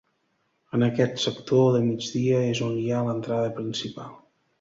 En aquest sector de migdia és on hi ha l'entrada principal.